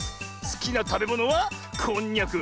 すきなたべものはこんにゃく。